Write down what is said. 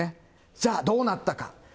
じゃあ、どうなったか。